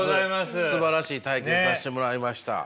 すばらしい体験さしてもらいました。